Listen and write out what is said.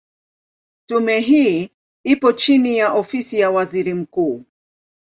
Tume hii ipo chini ya Ofisi ya Waziri Mkuu.